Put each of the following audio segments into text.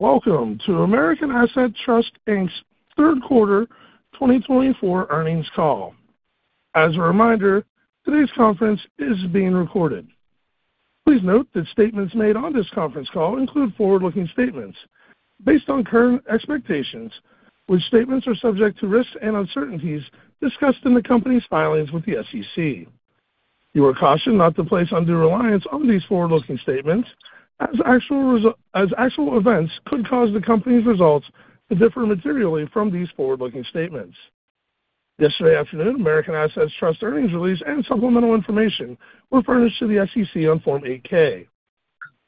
Welcome to American Assets Trust Inc.'s Third Quarter 2024 Earnings Call. As a reminder, today's conference is being recorded. Please note that statements made on this conference call include forward-looking statements based on current expectations, which statements are subject to risks and uncertainties discussed in the company's filings with the SEC. You are cautioned not to place undue reliance on these forward-looking statements, as actual events could cause the company's results to differ materially from these forward-looking statements. Yesterday afternoon, American Assets Trust earnings release and supplemental information were furnished to the SEC on Form 8-K.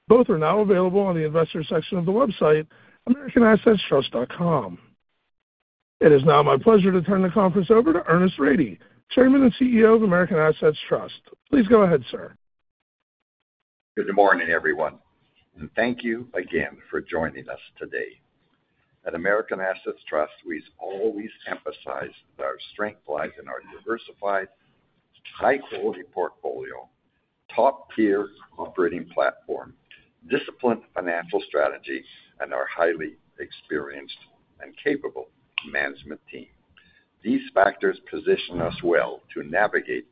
Both are now available on the investor section of the website, americanassetstrust.com. It is now my pleasure to turn the conference over to Ernest Rady, Chairman and CEO of American Assets Trust. Please go ahead, sir. Good morning, everyone. And thank you again for joining us today. At American Assets Trust, we always emphasize that our strength lies in our diversified, high-quality portfolio, top-tier operating platform, disciplined financial strategy, and our highly experienced and capable management team. These factors position us well to navigate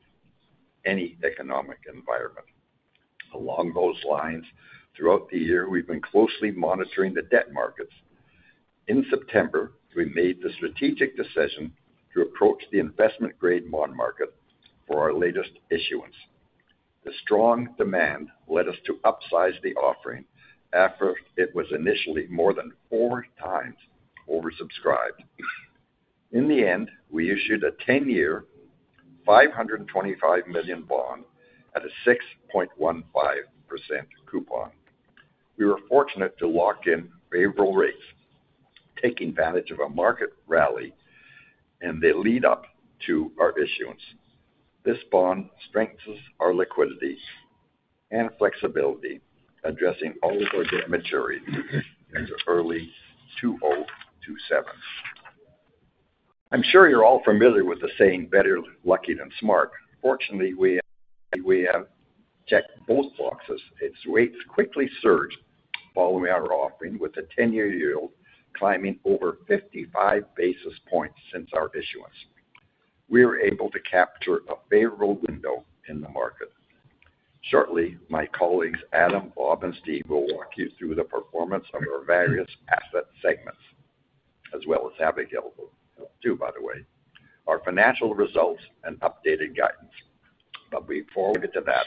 any economic environment. Along those lines, throughout the year, we've been closely monitoring the debt markets. In September, we made the strategic decision to approach the investment-grade bond market for our latest issuance. The strong demand led us to upsize the offering after it was initially more than 4x oversubscribed. In the end, we issued a 10-year, $525 million bond at a 6.15% coupon. We were fortunate to lock in favorable rates, taking advantage of a market rally in the lead-up to our issuance. This bond strengthens our liquidity and flexibility, addressing all of our debt maturities into early 2027. I'm sure you're all familiar with the saying, "Better lucky than smart." Fortunately, we have checked both boxes. Its rates quickly surged following our offering, with the 10-year yield climbing over 55 basis points since our issuance. We were able to capture a favorable window in the market. Shortly, my colleagues Adam, Bob, and Steve will walk you through the performance of our various asset segments, as well as Abigail will, too, by the way, our financial results and updated guidance. But before we get to that,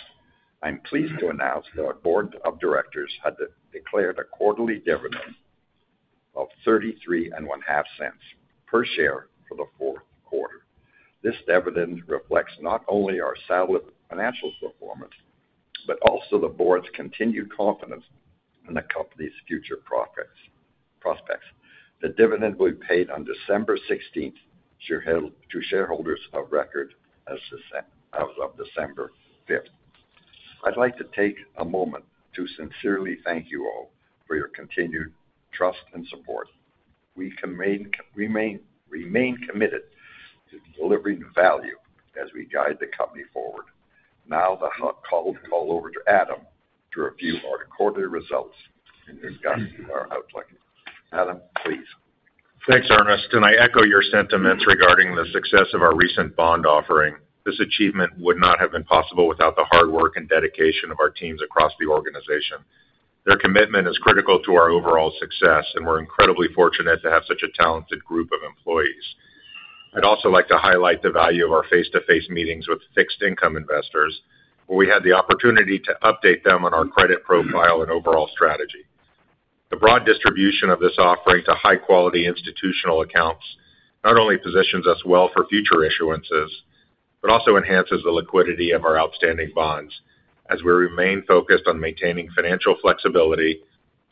I'm pleased to announce that our board of directors had declared a quarterly dividend of $0.335 per share for the fourth quarter. This dividend reflects not only our solid financial performance but also the board's continued confidence in the company's future prospects. The dividend will be paid on December 16th to shareholders of record as of December 5th. I'd like to take a moment to sincerely thank you all for your continued trust and support. We remain committed to delivering value as we guide the company forward. Now, the call is all over to Adam to review our quarterly results and discuss our outlook. Adam, please. Thanks, Ernest. And I echo your sentiments regarding the success of our recent bond offering. This achievement would not have been possible without the hard work and dedication of our teams across the organization. Their commitment is critical to our overall success, and we're incredibly fortunate to have such a talented group of employees. I'd also like to highlight the value of our face-to-face meetings with fixed-income investors, where we had the opportunity to update them on our credit profile and overall strategy. The broad distribution of this offering to high-quality institutional accounts not only positions us well for future issuances but also enhances the liquidity of our outstanding bonds, as we remain focused on maintaining financial flexibility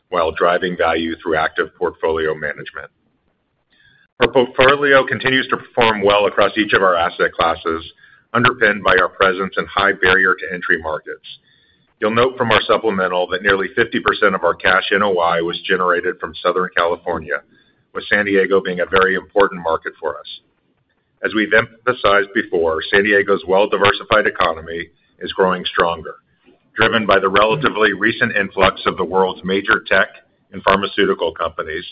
while driving value through active portfolio management. Our portfolio continues to perform well across each of our asset classes, underpinned by our presence in high barrier-to-entry markets. You'll note from our supplemental that nearly 50% of our cash NOI was generated from Southern California, with San Diego being a very important market for us. As we've emphasized before, San Diego's well-diversified economy is growing stronger, driven by the relatively recent influx of the world's major tech and pharmaceutical companies,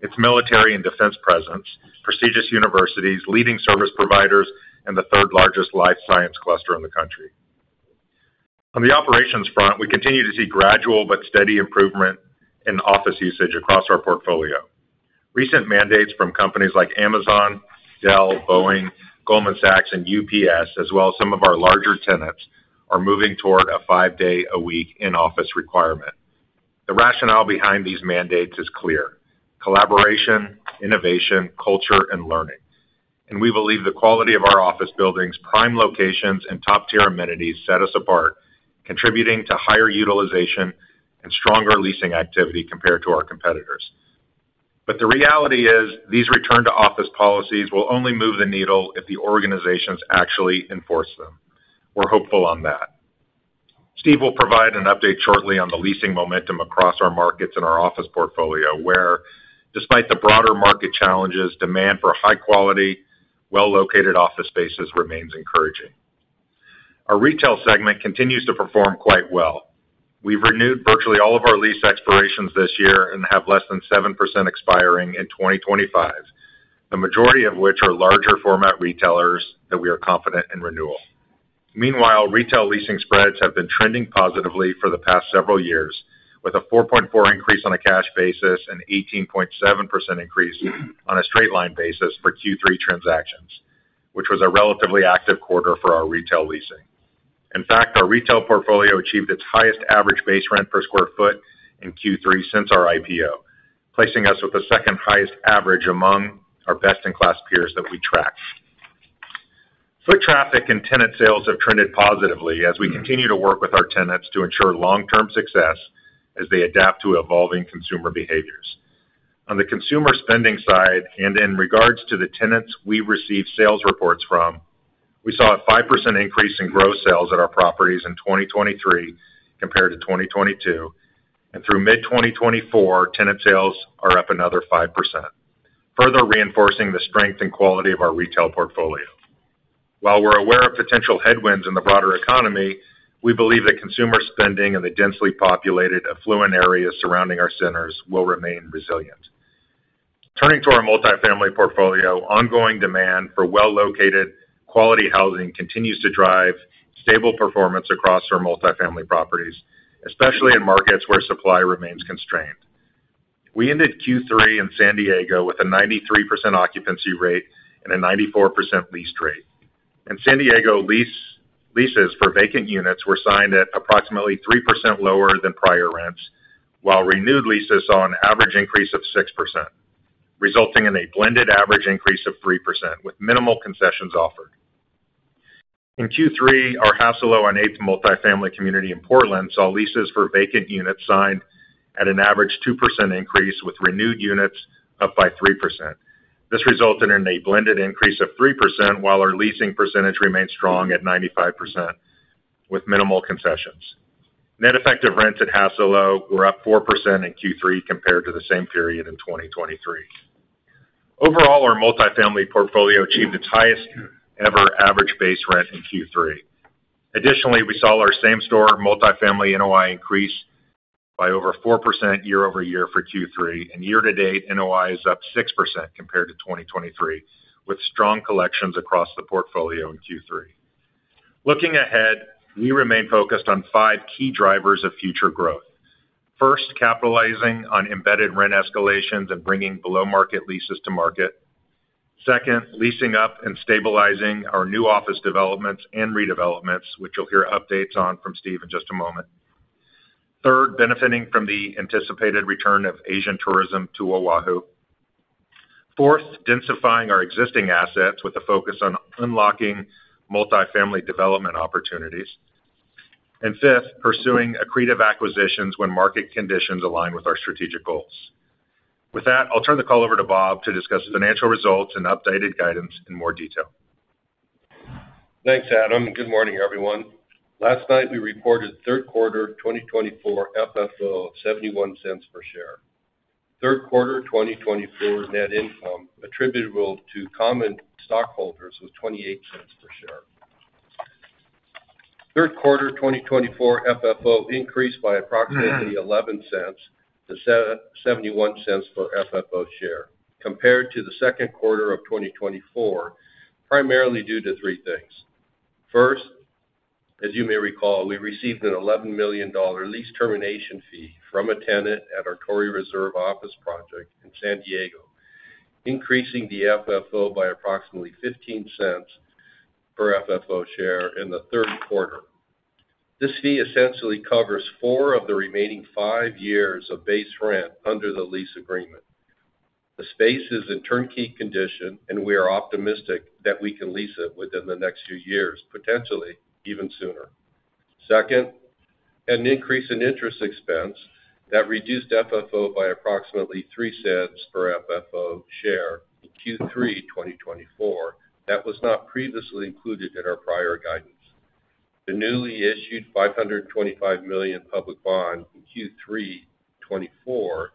its military and defense presence, prestigious universities, leading service providers, and the third-largest life science cluster in the country. On the operations front, we continue to see gradual but steady improvement in office usage across our portfolio. Recent mandates from companies like Amazon, Dell, Boeing, Goldman Sachs, and UPS, as well as some of our larger tenants, are moving toward a five-day-a-week in-office requirement. The rationale behind these mandates is clear: collaboration, innovation, culture, and learning. We believe the quality of our office buildings, prime locations, and top-tier amenities set us apart, contributing to higher utilization and stronger leasing activity compared to our competitors. The reality is, these return-to-office policies will only move the needle if the organizations actually enforce them. We're hopeful on that. Steve will provide an update shortly on the leasing momentum across our markets and our office portfolio, where, despite the broader market challenges, demand for high-quality, well-located office spaces remains encouraging. Our retail segment continues to perform quite well. We've renewed virtually all of our lease expirations this year and have less than 7% expiring in 2025, the majority of which are larger-format retailers that we are confident in renewal. Meanwhile, retail leasing spreads have been trending positively for the past several years, with a 4.4% increase on a cash basis and an 18.7% increase on a straight-line basis for Q3 transactions, which was a relatively active quarter for our retail leasing. In fact, our retail portfolio achieved its highest average base rent per square foot in Q3 since our IPO, placing us with the second-highest average among our best-in-class peers that we track. Foot traffic and tenant sales have trended positively as we continue to work with our tenants to ensure long-term success as they adapt to evolving consumer behaviors. On the consumer spending side, and in regards to the tenants we receive sales reports from, we saw a 5% increase in gross sales at our properties in 2023 compared to 2022. Through mid-2024, tenant sales are up another 5%, further reinforcing the strength and quality of our retail portfolio. While we're aware of potential headwinds in the broader economy, we believe that consumer spending in the densely populated affluent areas surrounding our centers will remain resilient. Turning to our multifamily portfolio, ongoing demand for well-located, quality housing continues to drive stable performance across our multifamily properties, especially in markets where supply remains constrained. We ended Q3 in San Diego with a 93% occupancy rate and a 94% lease rate. In San Diego, leases for vacant units were signed at approximately 3% lower than prior rents, while renewed leases saw an average increase of 6%, resulting in a blended average increase of 3%, with minimal concessions offered. In Q3, our Hassalo on Eighth multifamily community in Portland saw leases for vacant units signed at an average 2% increase, with renewed units up by 3%. This resulted in a blended increase of 3%, while our leasing percentage remained strong at 95%, with minimal concessions. Net effective rents at Hassalo were up 4% in Q3 compared to the same period in 2023. Overall, our multifamily portfolio achieved its highest-ever average base rent in Q3. Additionally, we saw our same-store multifamily NOI increase by over 4% year-over-year for Q3, and year-to-date, NOI is up 6% compared to 2023, with strong collections across the portfolio in Q3. Looking ahead, we remain focused on five key drivers of future growth. First, capitalizing on embedded rent escalations and bringing below-market leases to market. Second, leasing up and stabilizing our new office developments and redevelopments, which you'll hear updates on from Steve in just a moment. Third, benefiting from the anticipated return of Asian tourism to Oahu. Fourth, densifying our existing assets with a focus on unlocking multifamily development opportunities. And fifth, pursuing accretive acquisitions when market conditions align with our strategic goals. With that, I'll turn the call over to Bob to discuss financial results and updated guidance in more detail. Thanks, Adam. Good morning, everyone. Last night, we reported third quarter 2024 FFO of $0.71 per share. Third quarter 2024 net income attributable to common stockholders was $0.28 per share. Third quarter 2024 FFO increased by approximately $0.11 to $0.71 per FFO share, compared to the second quarter of 2024, primarily due to three things. First, as you may recall, we received an $11 million lease termination fee from a tenant at our Torrey Reserve office project in San Diego, increasing the FFO by approximately $0.15 per FFO share in the third quarter. This fee essentially covers four of the remaining five years of base rent under the lease agreement. The space is in turnkey condition, and we are optimistic that we can lease it within the next few years, potentially even sooner. Second, an increase in interest expense that reduced FFO by approximately $0.03 per FFO share in Q3 2024 that was not previously included in our prior guidance. The newly issued $525 million public bond in Q3 2024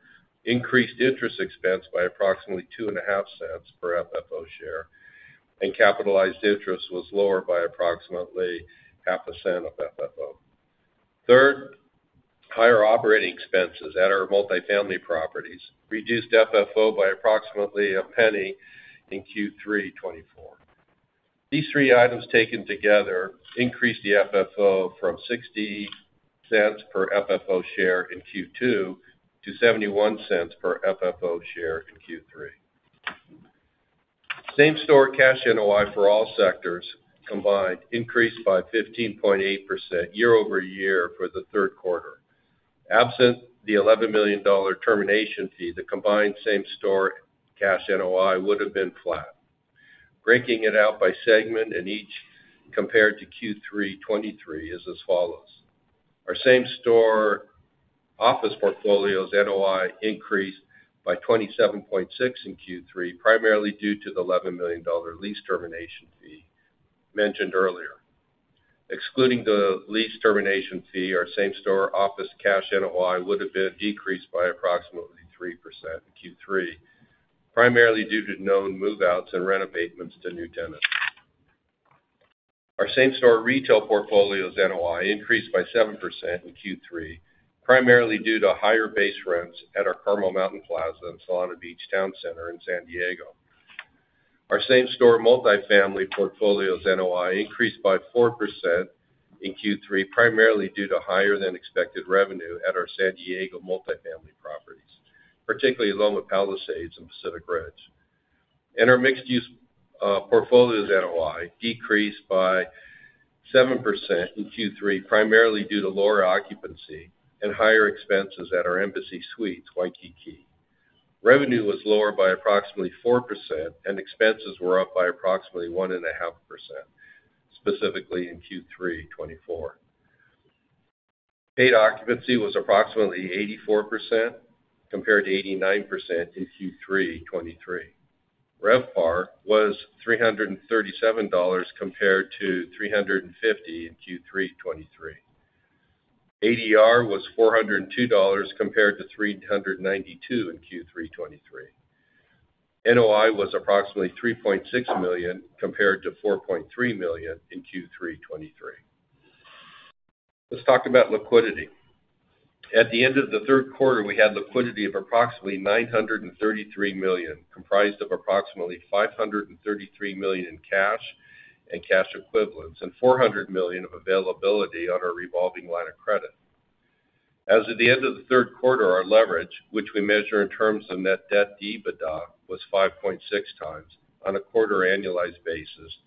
increased interest expense by approximately $0.025 cents per FFO share, and capitalized interest was lower by approximately half a cent of FFO. Third, higher operating expenses at our multifamily properties reduced FFO by approximately a penny in Q3 2024. These three items taken together increased the FFO from $0.60 per FFO share in Q2 to $0.71 per FFO share in Q3. Same-store cash NOI for all sectors combined increased by 15.8% year-over-year for the third quarter. Absent the $11 million termination fee, the combined same-store cash NOI would have been flat. Breaking it out by segment and each compared to Q3 2023 is as follows. Our same-store office portfolio's NOI increased by 27.6% in Q3, primarily due to the $11 million lease termination fee mentioned earlier. Excluding the lease termination fee, our same-store office cash NOI would have been decreased by approximately 3% in Q3, primarily due to known move-outs and rent abatements to new tenants. Our same-store retail portfolio's NOI increased by 7% in Q3, primarily due to higher base rents at our Carmel Mountain Plaza and Solana Beach Towne Centre in San Diego. Our same-store multifamily portfolio's NOI increased by 4% in Q3, primarily due to higher-than-expected revenue at our San Diego multifamily properties, particularly Loma Palisades and Pacific Ridge. Our mixed-use portfolio's NOI decreased by 7% in Q3, primarily due to lower occupancy and higher expenses at our Embassy Suites at Waikīkī. Revenue was lower by approximately 4%, and expenses were up by approximately 1.5%, specifically in Q3 2024. Paid occupancy was approximately 84% compared to 89% in Q3 2023. RevPAR was $337 compared to $350 in Q3 2023. ADR was $402 compared to $392 in Q3 2023. NOI was approximately $3.6 million compared to $4.3 million in Q3 2023. Let's talk about liquidity. At the end of the third quarter, we had liquidity of approximately $933 million, comprised of approximately $533 million in cash and cash equivalents, and $400 million of availability on our revolving line of credit. As of the end of the third quarter, our leverage, which we measure in terms of net debt/EBITDA, was 5.6x on a quarter-annualized basis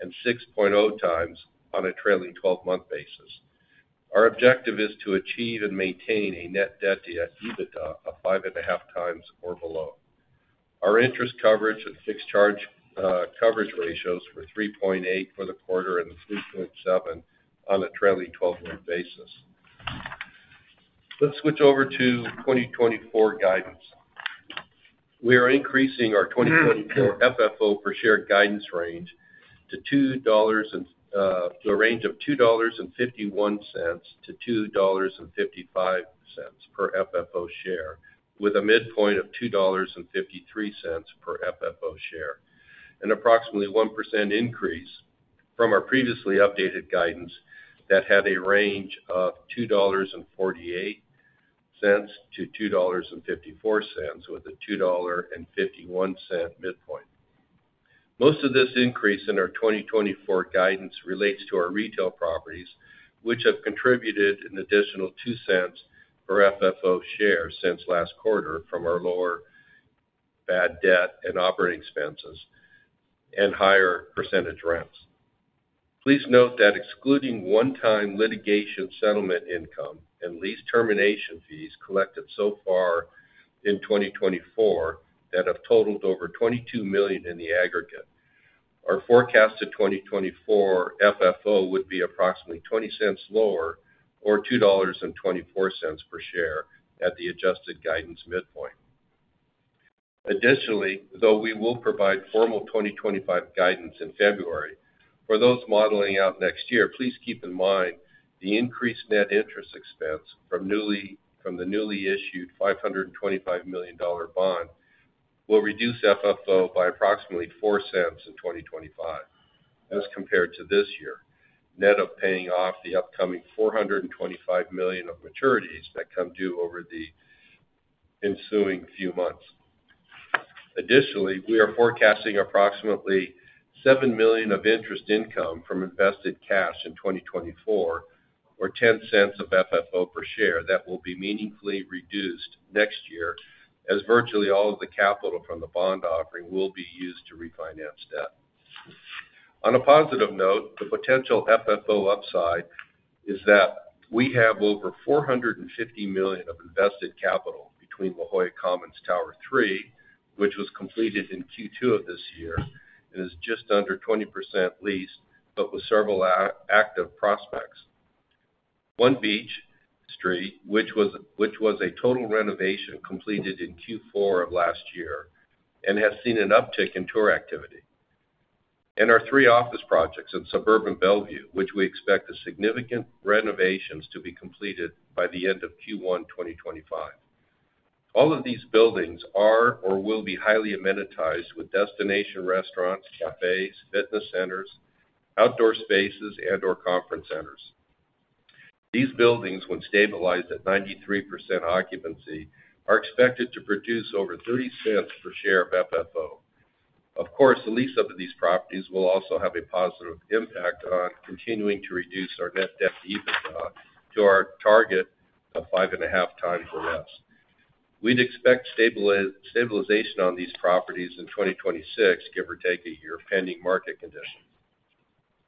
and 6.0x on a trailing 12-month basis. Our objective is to achieve and maintain a net debt/EBITDA of 5.5x or below. Our interest coverage and fixed charge coverage ratios were 3.8x for the quarter and 3.7x on a trailing 12-month basis. Let's switch over to 2024 guidance. We are increasing our 2024 FFO per share guidance range to the range of $2.51 to $2.55 per FFO share, with a midpoint of $2.53 per FFO share, an approximately 1% increase from our previously updated guidance that had a range of $2.48 to $2.54, with a $2.51 midpoint. Most of this increase in our 2024 guidance relates to our retail properties, which have contributed an additional $0.02 per FFO share since last quarter from our lower bad debt and operating expenses and higher percentage rents. Please note that excluding one-time litigation settlement income and lease termination fees collected so far in 2024 that have totaled over $22 million in the aggregate, our forecasted 2024 FFO would be approximately $0.20 cents lower or $2.24 per share at the adjusted guidance midpoint. Additionally, though we will provide formal 2025 guidance in February, for those modeling out next year, please keep in mind the increased net interest expense from the newly issued $525 million bond will reduce FFO by approximately $0.04 in 2025, as compared to this year, net of paying off the upcoming $425 million of maturities that come due over the ensuing few months. Additionally, we are forecasting approximately $7 million of interest income from invested cash in 2024, or $0.10 of FFO per share, that will be meaningfully reduced next year as virtually all of the capital from the bond offering will be used to refinance debt. On a positive note, the potential FFO upside is that we have over $450 million of invested capital between La Jolla Commons Tower 3, which was completed in Q2 of this year and is just under 20% leased, but with several active prospects, One Beach Street, which was a total renovation completed in Q4 of last year and has seen an uptick in tour activity, and our three office projects in Suburban Bellevue, which we expect the significant renovations to be completed by the end of Q1 2025. All of these buildings are or will be highly amenitized with destination restaurants, cafes, fitness centers, outdoor spaces, and/or conference centers. These buildings, when stabilized at 93% occupancy, are expected to produce over $0.30 per share of FFO. Of course, the lease of these properties will also have a positive impact on continuing to reduce our net debt/EBITDA to our target of 5.5x or less. We'd expect stabilization on these properties in 2026, give or take a year, pending market conditions.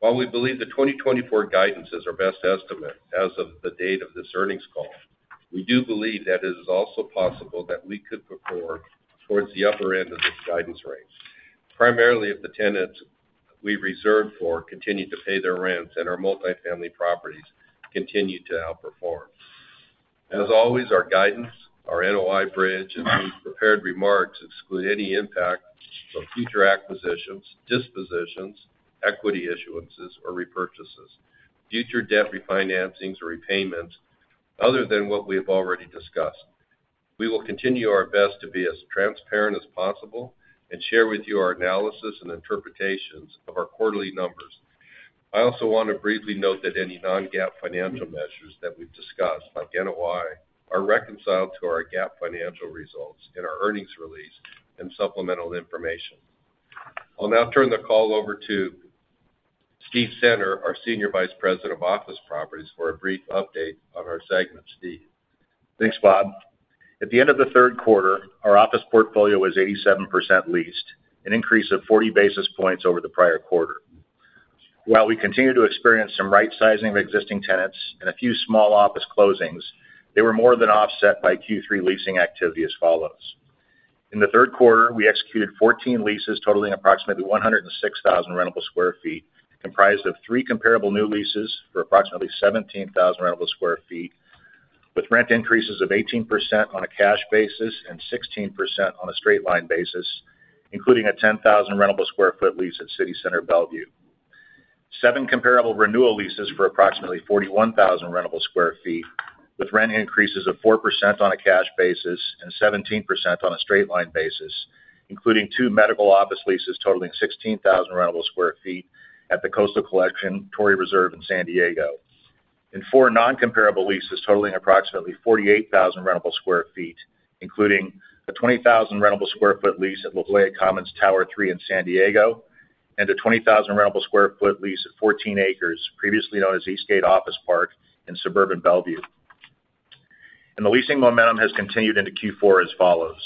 While we believe the 2024 guidance is our best estimate as of the date of this earnings call, we do believe that it is also possible that we could perform towards the upper end of this guidance range, primarily if the tenants we reserve for continue to pay their rents and our multifamily properties continue to outperform. As always, our guidance, our NOI bridge, and prepared remarks exclude any impact from future acquisitions, dispositions, equity issuances, or repurchases, future debt refinancings or repayments other than what we have already discussed. We will continue our best to be as transparent as possible and share with you our analysis and interpretations of our quarterly numbers. I also want to briefly note that any non-GAAP financial measures that we've discussed, like NOI, are reconciled to our GAAP financial results in our earnings release and supplemental information. I'll now turn the call over to Steve Center, our Senior Vice President of Office Properties, for a brief update on our segment. Steve? Thanks, Bob. At the end of the third quarter, our office portfolio was 87% leased, an increase of 40 basis points over the prior quarter. While we continue to experience some right-sizing of existing tenants and a few small office closings, they were more than offset by Q3 leasing activity as follows. In the third quarter, we executed 14 leases totaling approximately 106,000 rentable sq ft, comprised of three comparable new leases for approximately 17,000 sq ft rentable, with rent increases of 18% on a cash basis and 16% on a straight-line basis, including a 10,000 sq ft rentable lease at City Center Bellevue. Seven comparable renewal leases for approximately 41,000 sq ft rentable, with rent increases of 4% on a cash basis and 17% on a straight-line basis, including two medical office leases totaling 16,000 sq ft rentable at the Coastal Collection, Torrey Reserve, and San Diego. Four non-comparable leases totaling approximately 48,000 sq ft rentable, including a 20,000 sq ft rentable lease at La Jolla Commons Tower 3 in San Diego and a 20,000 sq ft rentable lease at 14 Acres, previously known as Eastgate Office Park in Suburban Bellevue. The leasing momentum has continued into Q4 as follows.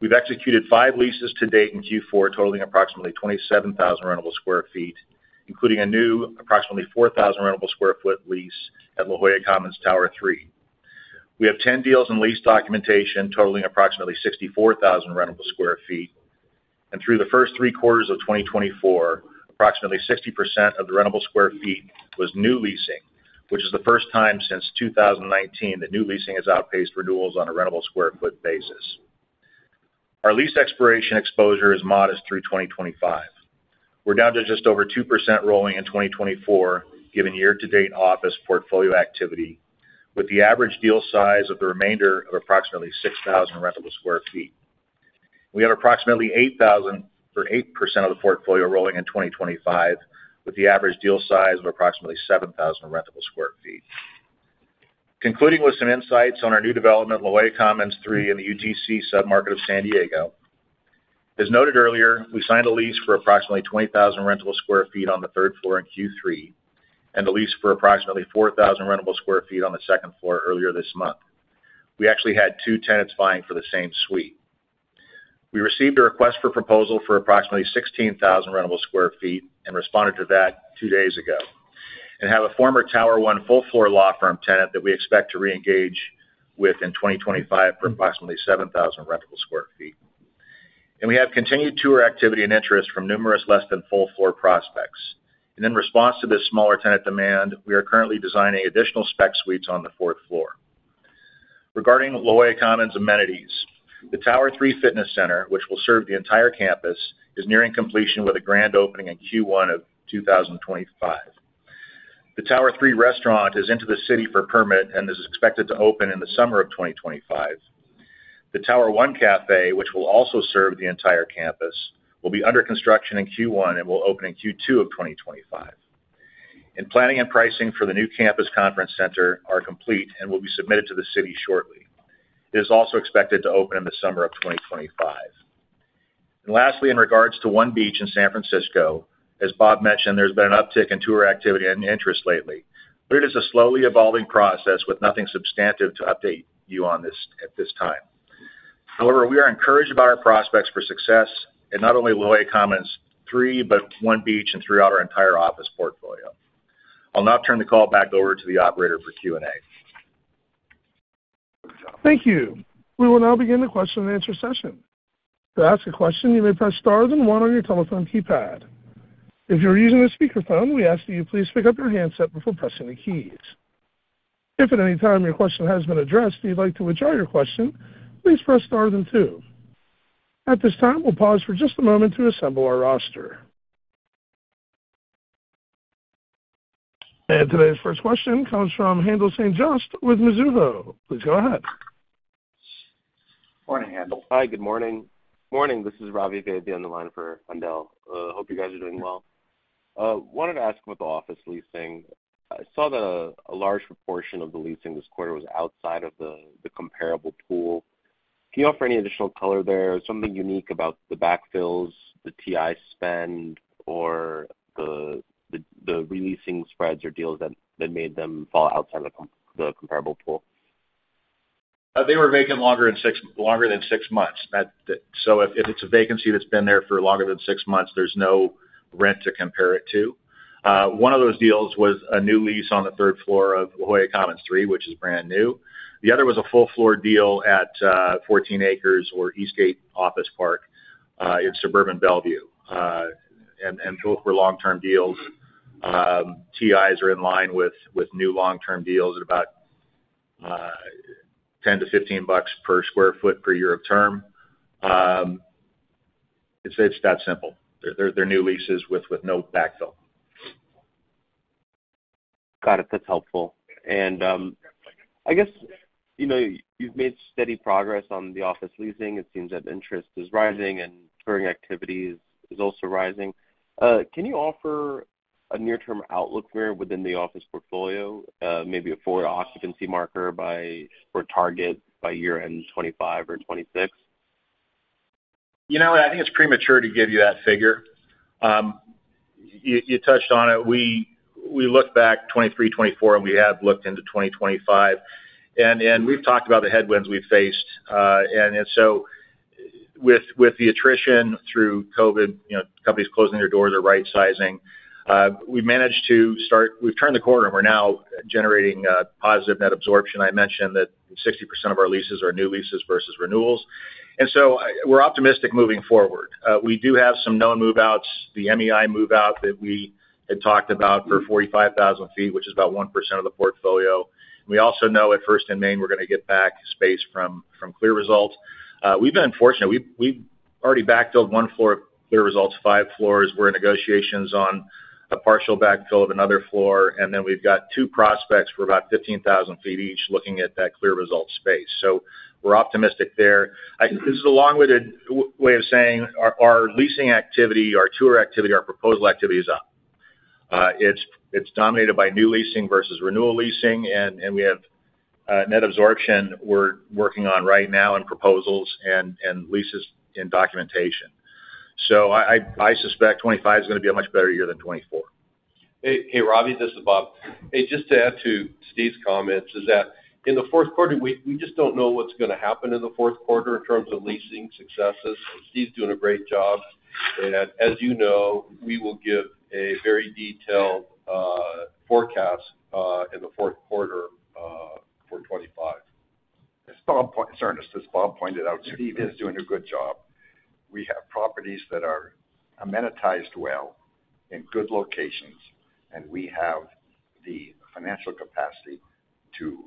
We've executed five leases to date in Q4 totaling approximately 27,000 sq ft rentable, including a new approximately 4,000 sq ft rentable lease at La Jolla Commons Tower 3. We have 10 deals in lease documentation totaling approximately 64,000 sq ft rentable. Through the first three quarters of 2024, approximately 60% of the rentable sq ft was new leasing, which is the first time since 2019 that new leasing has outpaced renewals on a rentable sq ft basis. Our lease expiration exposure is modest through 2025. We're down to just over 2% rolling in 2024, given year-to-date office portfolio activity, with the average deal size of the remainder of approximately 6,000 sq ft rentable. We have approximately 8,000 or 8% of the portfolio rolling in 2025, with the average deal size of approximately 7,000 sq ft rentable. Concluding with some insights on our new development, La Jolla Commons 3 in the UTC submarket of San Diego. As noted earlier, we signed a lease for approximately 20,000 sq ft rentable on the third floor in Q3 and a lease for approximately 4,000 sq ft rentable on the second floor earlier this month. We actually had two tenants vying for the same suite. We received a request for proposal for approximately 16,000 sq ft rentable and responded to that two days ago, and have a former Tower 1 full-floor law firm tenant that we expect to reengage with in 2025 for approximately 7,000 sq ft rentable. And we have continued tour activity and interest from numerous less-than-full-floor prospects. And in response to this smaller tenant demand, we are currently designing additional spec suites on the fourth floor. Regarding La Jolla Commons amenities, the Tower 3 fitness center, which will serve the entire campus, is nearing completion with a grand opening in Q1 of 2025. The Tower 3 restaurant is into the city for permit and is expected to open in the summer of 2025. The Tower 1 café, which will also serve the entire campus, will be under construction in Q1 and will open in Q2 of 2025. And planning and pricing for the new campus conference center are complete and will be submitted to the city shortly. It is also expected to open in the summer of 2025. And lastly, in regards to One Beach in San Francisco, as Bob mentioned, there's been an uptick in tour activity and interest lately, but it is a slowly evolving process with nothing substantive to update you on this at this time. However, we are encouraged about our prospects for success at not only La Jolla Commons 3, but One Beach and throughout our entire office portfolio. I'll now turn the call back over to the operator for Q&A. Thank you. We will now begin the question-and-answer session. To ask a question, you may press stars and 1 on your telephone keypad. If you're using a speakerphone, we ask that you please pick up your handset before pressing the keys. If at any time your question has been addressed and you'd like to withdraw your question, please press stars and 2. At this time, we'll pause for just a moment to assemble our roster. And today's first question comes from Haendel St. Juste with Mizuho. Please go ahead. Morning, Haendel. Hi, good morning. Morning, this is Ravi Vaidya on the line for Haendel. Hope you guys are doing well. I wanted to ask about the office leasing. I saw that a large proportion of the leasing this quarter was outside of the comparable pool. Can you offer any additional color there or something unique about the backfills, the TI spend, or the releasing spreads or deals that made them fall outside of the comparable pool? They were vacant longer than six months. So if it's a vacancy that's been there for longer than six months, there's no rent to compare it to. One of those deals was a new lease on the third floor of La Jolla Commons 3, which is brand new. The other was a full-floor deal at 14 Acres or Eastgate Office Park in Suburban Bellevue. And both were long-term deals. TIs are in line with new long-term deals at about $10-$15 per sq ft per year of term. It's that simple. They're new leases with no backfill. Got it. That's helpful. And I guess you've made steady progress on the office leasing. It seems that interest is rising and touring activity is also rising. Can you offer a near-term outlook there within the office portfolio, maybe a four-year occupancy marker or target by year-end 2025 or 2026? You know what? I think it's premature to give you that figure. You touched on it. We looked back 2023, 2024, and we have looked into 2025. And we've talked about the headwinds we've faced. And so with the attrition through COVID, companies closing their doors or right-sizing, we've managed. We've turned the corner. We're now generating positive net absorption. I mentioned that 60% of our leases are new leases versus renewals. And so we're optimistic moving forward. We do have some known move-outs, the MEI move-out that we had talked about for 45,000 sq ft, which is about 1% of the portfolio. We also know at First & Main we're going to get back space from CLEAResult. We've been fortunate. We've already backfilled one floor of CLEAResult's five floors. We're in negotiations on a partial backfill of another floor. And then we've got two prospects for about 15,000 feet each looking at that CLEAResult space. So we're optimistic there. This is a long-winded way of saying our leasing activity, our tour activity, our proposal activity is up. It's dominated by new leasing versus renewal leasing. And we have net absorption we're working on right now in proposals and leases and documentation. So I suspect 2025 is going to be a much better year than 2024. Hey, Ravi, this is Bob. Hey, just to add to Steve's comments, is that in the fourth quarter, we just don't know what's going to happen in the fourth quarter in terms of leasing successes. Steve's doing a great job, and as you know, we will give a very detailed forecast in the fourth quarter for 2025. As Bob pointed, sorry, just as Bob pointed out, Steve is doing a good job. We have properties that are amenitized well in good locations, and we have the financial capacity to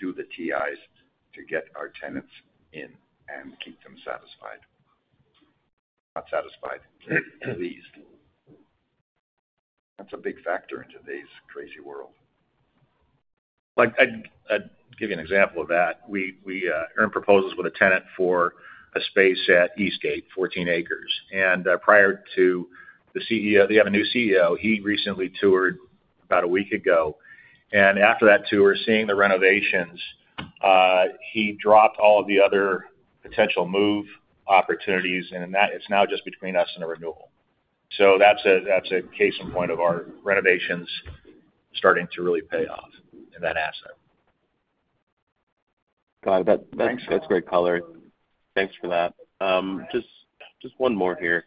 do the TIs to get our tenants in and keep them satisfied, not satisfied, pleased. That's a big factor in today's crazy world. I'll give you an example of that. We earned proposals with a tenant for a space at Eastgate, 14 Acres, and prior to the CEO, they have a new CEO. He recently toured about a week ago, and after that tour, seeing the renovations, he dropped all of the other potential move opportunities, and it's now just between us and a renewal, so that's a case in point of our renovations starting to really pay off in that asset. Got it. That's great color. Thanks for that. Just one more here.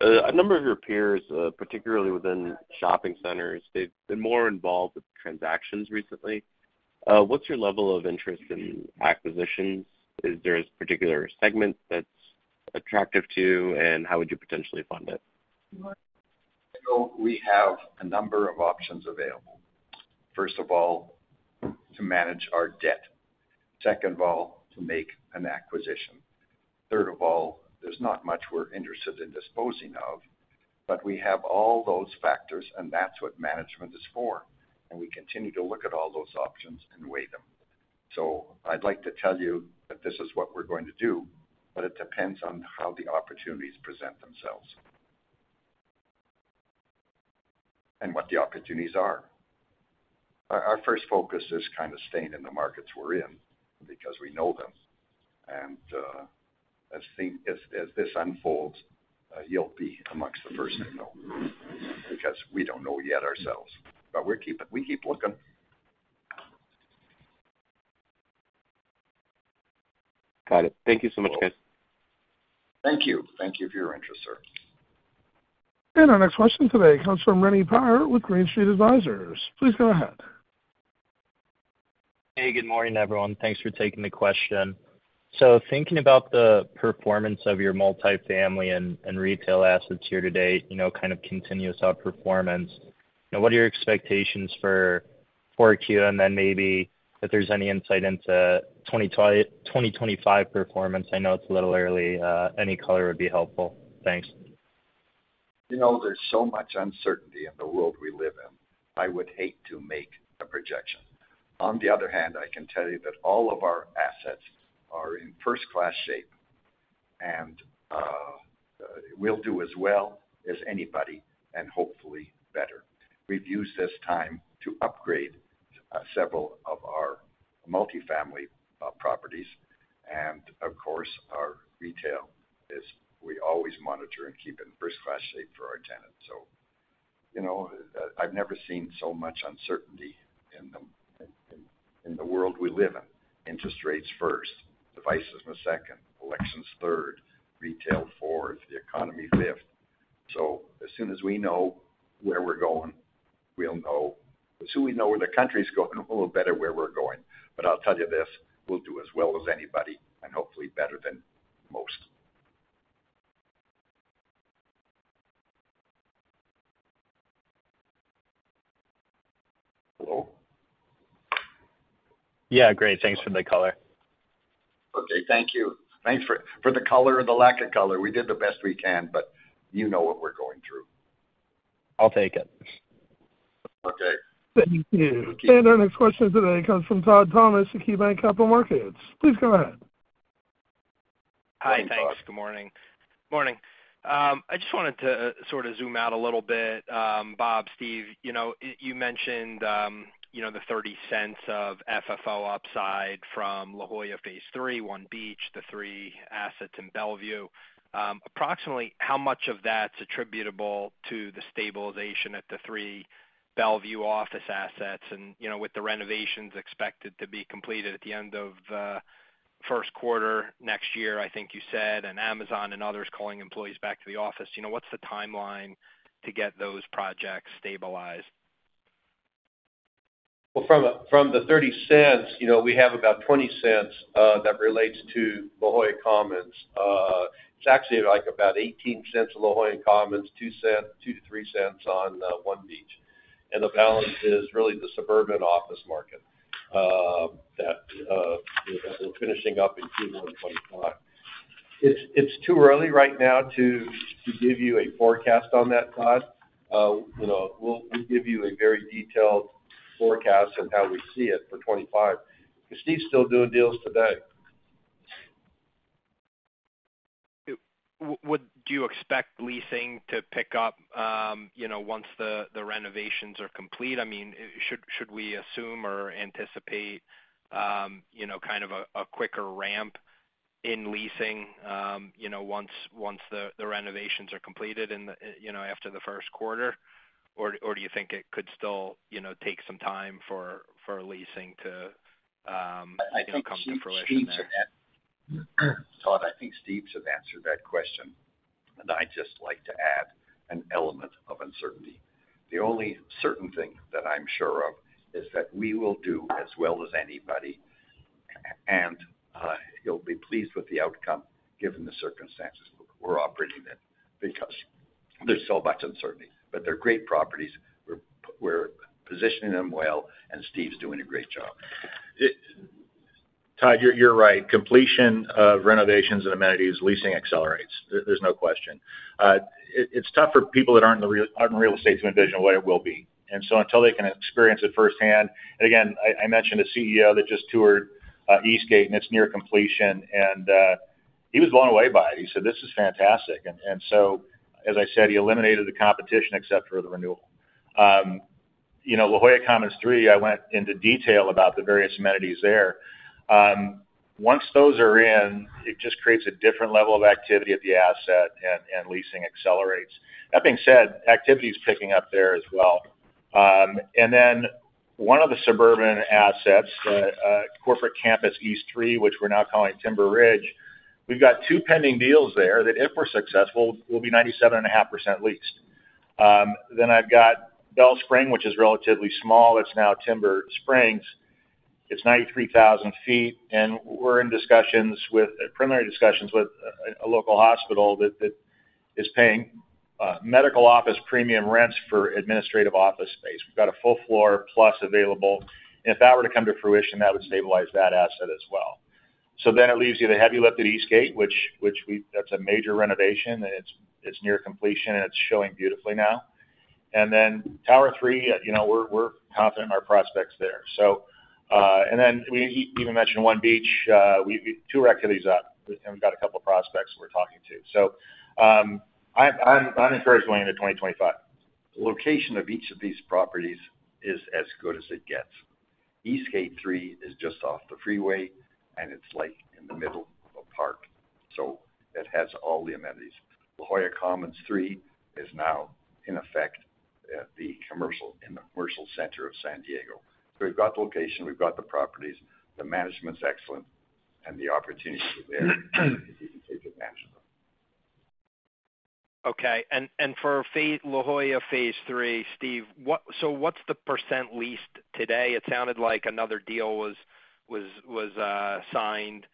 A number of your peers, particularly within shopping centers, they've been more involved with transactions recently. What's your level of interest in acquisitions? Is there a particular segment that's attractive to you, and how would you potentially fund it? We have a number of options available. First of all, to manage our debt. Second of all, to make an acquisition. Third of all, there's not much we're interested in disposing of, but we have all those factors, and that's what management is for and we continue to look at all those options and weigh them so I'd like to tell you that this is what we're going to do, but it depends on how the opportunities present themselves and what the opportunities are. Our first focus is kind of staying in the markets we're in because we know them and as this unfolds, you'll be amongst the first to know because we don't know yet ourselves, but we keep looking. Got it. Thank you so much, guys. Thank you. Thank you for your interest, sir. Our next question today from Reny Pire with Green Street Advisors. Please go ahead. Hey, good morning, everyone. Thanks for taking the question. So thinking about the performance of your multifamily and retail assets here today, kind of continuous outperformance, what are your expectations for Q2 and then maybe if there's any insight into 2025 performance? I know it's a little early. Any color would be helpful. Thanks. There's so much uncertainty in the world we live in. I would hate to make a projection. On the other hand, I can tell you that all of our assets are in first-class shape, and we'll do as well as anybody and hopefully better. We've used this time to upgrade several of our multifamily properties. And of course, our retail is we always monitor and keep in first-class shape for our tenants. I've never seen so much uncertainty in the world we live in. Interest rates first, devices second, elections third, retail fourth, the economy fifth. So as soon as we know where we're going, we'll know. As soon as we know where the country's going, we'll know better where we're going. But I'll tell you this, we'll do as well as anybody and hopefully better than most. Hello? Yeah, great. Thanks for the color. Okay. Thank you. Thanks for the color or the lack of color. We did the best we can, but you know what we're going through. I'll take it. Okay. Our next question today comes from Todd Thomas of KeyBanc Capital Markets. Please go ahead. Hi, Thomas. Good morning. I just wanted to sort of zoom out a little bit, Bob, Steve. You mentioned the $0.30 of FFO upside from La Jolla Phase 3, One Beach Street, the three assets in Bellevue. Approximately how much of that's attributable to the stabilization at the three Bellevue office assets? And with the renovations expected to be completed at the end of the first quarter next year, I think you said, and Amazon and others calling employees back to the office, what's the timeline to get those projects stabilized? Well, from the $0.30, we have about $0.20 that relates to La Jolla Commons. It's actually about $0.18 of La Jolla Commons, $0.02-$0.03 on One Beach. And the balance is really the suburban office market that we're finishing up in Q1 2025. It's too early right now to give you a forecast on that, Todd. We'll give you a very detailed forecast on how we see it for 2025. Is Steve still doing deals today? Do you expect leasing to pick up once the renovations are complete? I mean, should we assume or anticipate kind of a quicker ramp in leasing once the renovations are completed after the first quarter? Or do you think it could still take some time for leasing to come to fruition there? I think Steve's answered that question, and I'd just like to add an element of uncertainty. The only certain thing that I'm sure of is that we will do as well as anybody, and you'll be pleased with the outcome given the circumstances. We're operating in it because there's so much uncertainty, but they're great properties. We're positioning them well, and Steve's doing a great job. Todd, you're right. Completion of renovations and amenities, leasing accelerates. There's no question. It's tough for people that aren't in real estate to envision what it will be. And so until they can experience it firsthand, and again, I mentioned a CEO that just toured Eastgate and it's near completion, and he was blown away by it. He said, "This is fantastic." And so, as I said, he eliminated the competition except for the renewal. La Jolla Commons 3, I went into detail about the various amenities there. Once those are in, it just creates a different level of activity at the asset, and leasing accelerates. That being said, activity is picking up there as well. And then one of the suburban assets, Corporate Campus East 3, which we're now calling Timber Ridge, we've got two pending deals there that if we're successful, we'll be 97.5% leased. Then I've got Bel-Spring, which is relatively small. It's now Timber Springs. It's 93,000 sq ft, and we're in discussions with, primarily discussions with a local hospital that is paying medical office premium rents for administrative office space. We've got a full floor plus available. And if that were to come to fruition, that would stabilize that asset as well. So then it leaves you the heavy lift Eastgate, which that's a major renovation, and it's near completion, and it's showing beautifully now. And then Tower 3, we're confident in our prospects there. And then you even mentioned One Beach. Two vacancies up, and we've got a couple of prospects we're talking to. So I'm encouraged going into 2025. The location of each of these properties is as good as it gets. Eastgate 3 is just off the freeway, and it's like in the middle of a park. So it has all the amenities. La Jolla Commons 3 is now the epicenter in the commercial center of San Diego. So we've got the location, we've got the properties, the management's excellent, and the opportunities are there if you can take advantage of them. Okay. And for La Jolla Phase 3, Steve, so what's the % leased today? It sounded like another deal was signed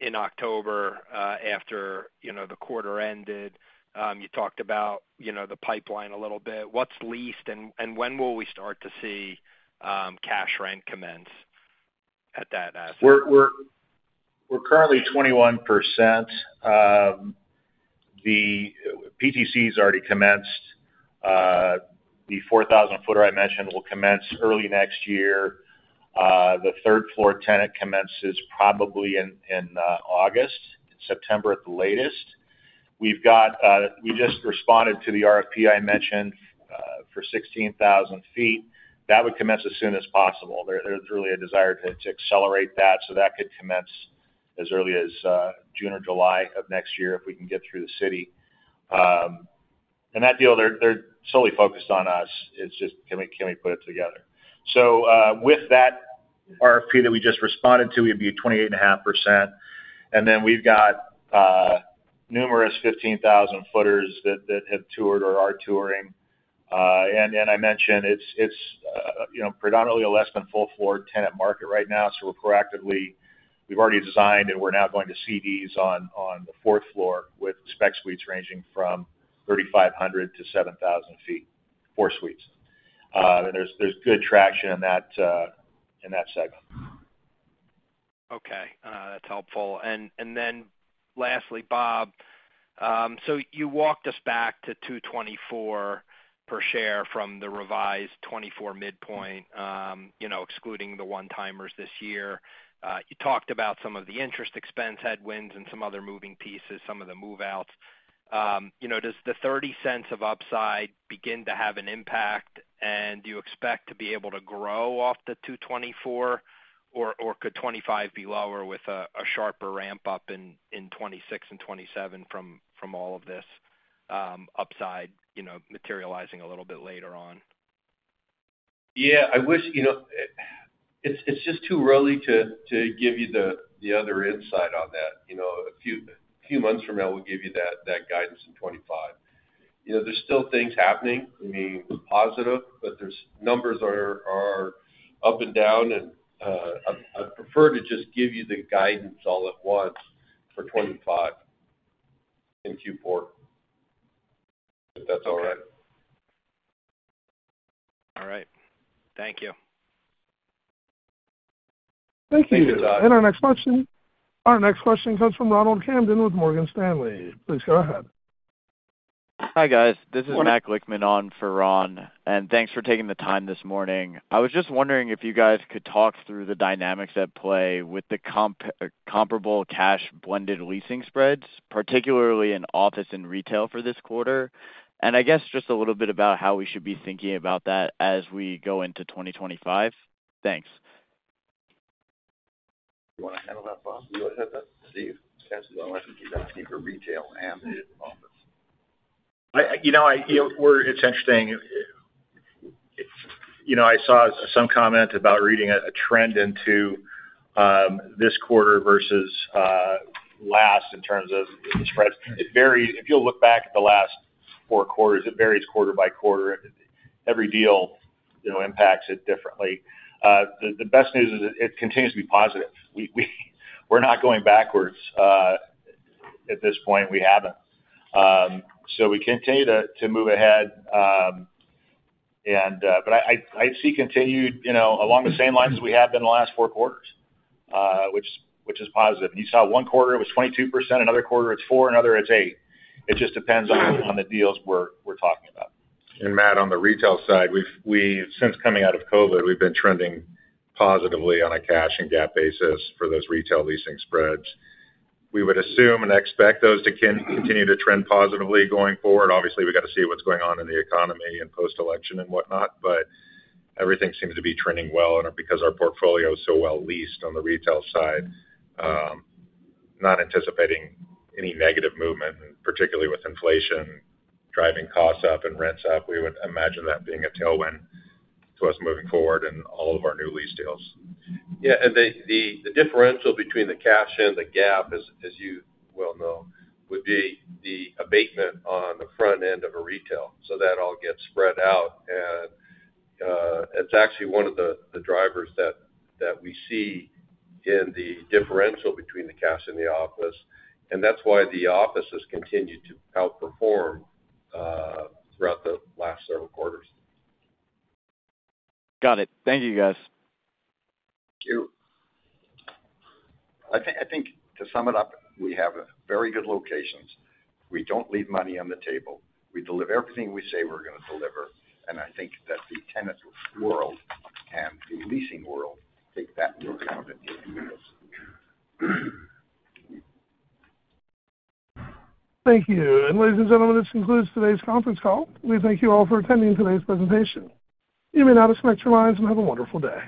in October after the quarter ended. You talked about the pipeline a little bit. What's leased, and when will we start to see cash rent commence at that asset? We're currently 21%. The PTC has already commenced. The 4,000 sq ft I mentioned will commence early next year. The third-floor tenant commences probably in August, September at the latest. We just responded to the RFP I mentioned for 16,000 sq ft. That would commence as soon as possible. There's really a desire to accelerate that. So that could commence as early as June or July of next year if we can get through the city. And that deal, they're solely focused on us. It's just, can we put it together? So with that RFP that we just responded to, we'd be 28.5%. And then we've got numerous 15,000 sq ft that have toured or are touring. And I mentioned it's predominantly a less-than-full-floor tenant market right now. So we've already designed, and we're now going to CDs on the fourth floor with spec suites ranging from 3,500-7,000 sq ft, four suites. There's good traction in that segment. Okay. That's helpful. And then lastly, Bob, so you walked us back to $2.24 per share from the revised $2.4 midpoint, excluding the one-timers this year. You talked about some of the interest expense headwinds and some other moving pieces, some of the move-outs. Does the $0.30 of upside begin to have an impact, and do you expect to be able to grow off the $2.24, or could 2025 be lower with a sharper ramp up in 2026 and 2027 from all of this upside materializing a little bit later on? Yeah. It's just too early to give you the other insight on that. A few months from now, we'll give you that guidance in 2025. There's still things happening. I mean, positive, but the numbers are up and down, and I prefer to just give you the guidance all at once for 2025 in Q4, if that's all right. All right. Thank you. Thank you, Todd. And our next question comes from Ronald Kamdem with Morgan Stanley. Please go ahead. Hi, guys. This is Matt Lickman on for Ron, and thanks for taking the time this morning. I was just wondering if you guys could talk through the dynamics at play with the comparable cash blended leasing spreads, particularly in office and retail for this quarter, and I guess just a little bit about how we should be thinking about that as we go into 2025. Thanks. You want to handle that, Bob? You want to handle that? Steve? I want to think about it deeper retail and office. You know what? It's interesting. I saw some comment about reading a trend into this quarter versus last in terms of the spreads. If you'll look back at the last four quarters, it varies quarter by quarter. Every deal impacts it differently. The best news is it continues to be positive. We're not going backwards at this point. We haven't. So we continue to move ahead. But I see continued along the same lines as we have been in the last four quarters, which is positive. And you saw one quarter, it was 22%. Another quarter, it's 4%. Another, it's 8%. It just depends on the deals we're talking about. And Matt, on the retail side, since coming out of COVID, we've been trending positively on a cash and GAAP basis for those retail leasing spreads. We would assume and expect those to continue to trend positively going forward. Obviously, we've got to see what's going on in the economy and post-election and whatnot, but everything seems to be trending well because our portfolio is so well leased on the retail side. Not anticipating any negative movement, particularly with inflation driving costs up and rents up. We would imagine that being a tailwind to us moving forward in all of our new lease deals. Yeah. And the differential between the cash and the GAAP, as you well know, would be the abatement on the front end of a retail. So that all gets spread out. And it's actually one of the drivers that we see in the differential between the cash and the office. And that's why the office has continued to outperform throughout the last several quarters. Got it. Thank you, guys. Thank you. I think to sum it up, we have very good locations. We don't leave money on the table. We deliver everything we say we're going to deliver. And I think that the tenant world and the leasing world take that into account at the end of this. Thank you, and ladies and gentlemen, this concludes today's conference call. We thank you all for attending today's presentation. You may now disconnect your lines and have a wonderful day.